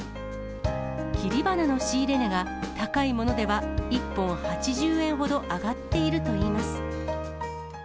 切り花の仕入れ値が、高いものでは１本８０円ほど上がっているといいます。